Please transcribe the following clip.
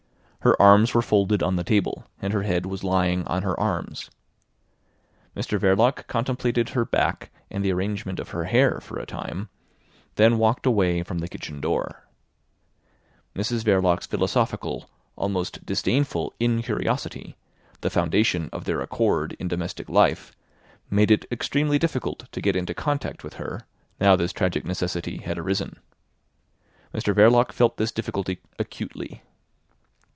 Her arms were folded on the table, and her head was lying on her arms. Mr Verloc contemplated her back and the arrangement of her hair for a time, then walked away from the kitchen door. Mrs Verloc's philosophical, almost disdainful incuriosity, the foundation of their accord in domestic life made it extremely difficult to get into contact with her, now this tragic necessity had arisen. Mr Verloc felt this difficulty acutely.